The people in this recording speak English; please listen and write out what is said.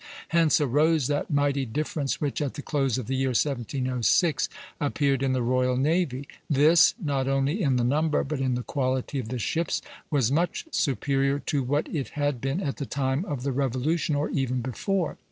Hence arose that mighty difference which at the close of the year 1706 appeared in the Royal Navy; this, not only in the number but in the quality of the ships, was much superior to what it had been at the time of the Revolution or even before.